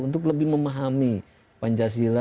untuk lebih memahami pancasila